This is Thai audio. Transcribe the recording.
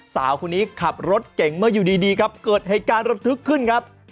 สาวคนนี้ขับรถเก่งเมื่ออยู่ดีครับเกิดเหตุการณ์ระทึกขึ้นครับ